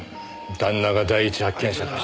旦那が第一発見者か。